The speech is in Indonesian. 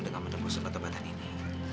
dengan menembus obat obatan ini